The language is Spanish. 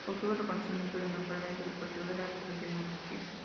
Obtuvo el reconocimiento de mejor evento deportivo de la Región de Murcia.